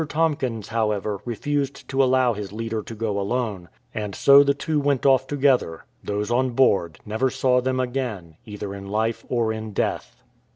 Tomkins, however, refused to allow his leader to go alone ; and so the two went off together. Those on board never saw them again, either in life or in death.